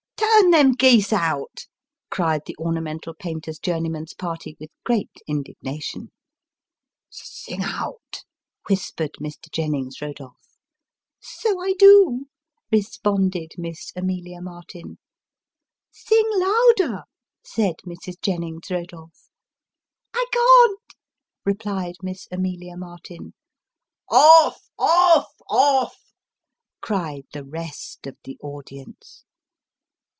" Turn them geese out," cried the ornamental painter's journeyman's party, with great indignation. " Sing out," whispered Mr. Jennings Rodolph. 190 Sketches by Boz. ' So I do," responded Miss Amelia Martin. ' Sing louder," said Mrs. Jennings Kodolph. ' I can't," replied Miss Amelia Martin. ' OS, off, off," cried the rest of the audience.